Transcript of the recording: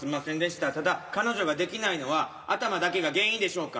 ただ彼女ができないのは頭だけが原因でしょうか？